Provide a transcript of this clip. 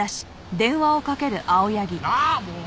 ああもう！